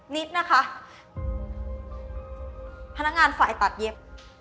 นิดนะคะพนักงานฝ่ายตัดเย็บ